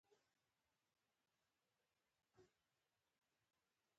دا په سوېل کې موقعیت لري چې افغانستان هم پکې دی.